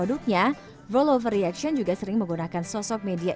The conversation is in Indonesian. influencer ini terutama para beauty blogger yang kini ikut meramaikan pasar industri korea